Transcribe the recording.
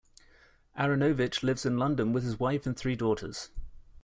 Aaronovitch lives in London with his wife and three daughters.